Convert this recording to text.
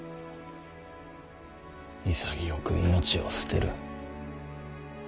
潔く命を捨てる？